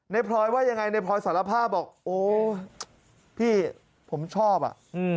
พลอยว่ายังไงในพลอยสารภาพบอกโอ้พี่ผมชอบอ่ะ